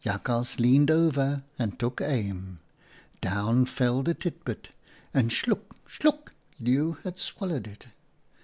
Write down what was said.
Jakhals leaned over and took aim. Down fell the tit bit and — sluk ! sluk !— Leeuw had swallowed it.